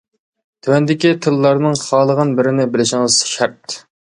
تۆۋەندىكى تىللارنىڭ خالىغان بىرىنى بىلىشىڭىز شەرت!